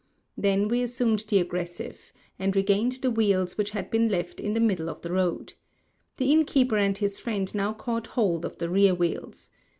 Then we assumed the aggressive, and regained the wheels which had been left in the middle of the road. The innkeeper and his friend now caught hold of the rear wheels.